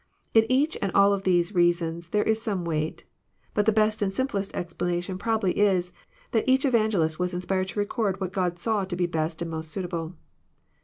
— In each and all of these reasons there is some weight. But the best and simplest explanation probably is, that each Evangelist was inspired to record what God saw to be best and most suitable.